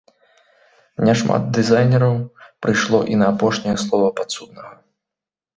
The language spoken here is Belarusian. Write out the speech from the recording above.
Не шмат дызайнераў прыйшло і на апошняе слова падсуднага.